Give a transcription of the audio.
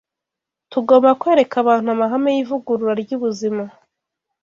Tugomba kwereka abantu amahame y’ivugurura ry’ubuzima,